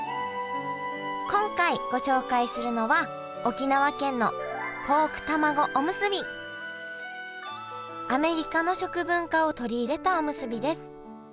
今回ご紹介するのはアメリカの食文化を取り入れたおむすびです。